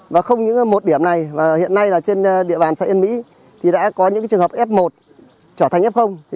và không những một điểm này và hiện nay là trên địa bàn xã yên mỹ thì đã có những trường hợp f một trở thành f